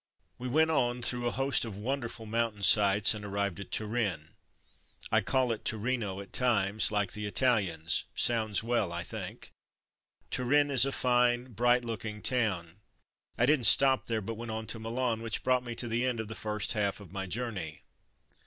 We went on through a host of wonderful mountain sights and arrived at Turin (I call it Torino at times, like the Italians; sounds well, I think). Turin is a fine, bright look ing town. I didn't stop there, but went on to Milan, which brought me to the end of the first half of my journey.